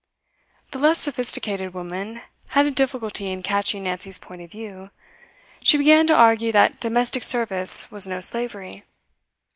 The less sophisticated woman had a difficulty in catching Nancy's point of view. She began to argue that domestic service was no slavery.